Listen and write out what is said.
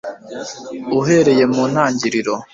uhereye mu ntangiriro